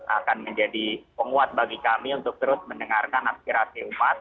akan menjadi penguat bagi kami untuk terus mendengarkan aspirasi umat